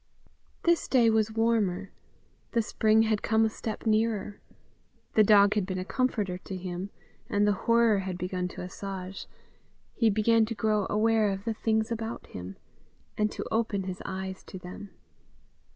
This day was warmer; the spring had come a step nearer; the dog had been a comforter to him, and the horror had begun to assuage; he began to grow aware of the things about him, and to open his eyes to them.